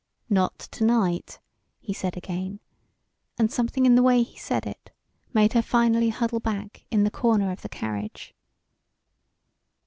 "Not to night," he said again, and something in the way he said it made her finally huddle back in the corner of the carriage.